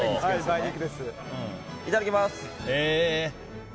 いただきます。